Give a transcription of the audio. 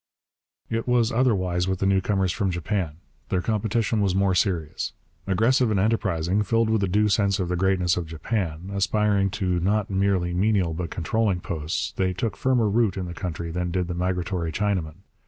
It was otherwise with the newcomers from Japan. Their competition was more serious. Aggressive and enterprising, filled with a due sense of the greatness of Japan, aspiring to not merely menial but controlling posts, they took firmer root in the country than did the migratory Chinaman.